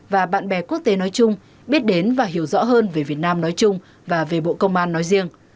và bạn bè quốc tế nói chung biết đến và hiểu rõ hơn về việt nam nói chung và về bộ công an nói riêng